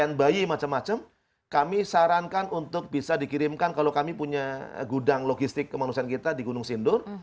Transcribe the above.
untuk semua orang yang sudah berada di sini saya sarankan untuk bisa dikirimkan kalau kami punya gudang logistik kemanusiaan kita di gunung sindur